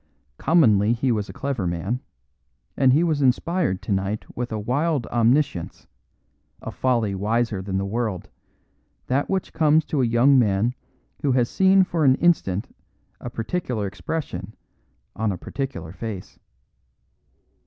Commonly he was a clever man, and he was inspired tonight with a wild omniscience, a folly wiser than the world, that which comes to a young man who has seen for an instant a particular expression on a particular face.